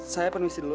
saya permisi dulu